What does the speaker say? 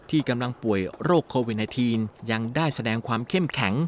ที่กำลังป่วยโรคโควิด๑๙ยังได้แสดงความเข้มแข็ง